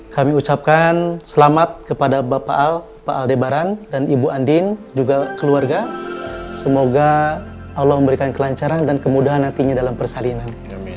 kami ucapkan selamat kepada bapak al pak al debaran dan ibu andin juga keluarga semoga allah memberikan kelancaran dan kemudahan hatinya dalam persalinan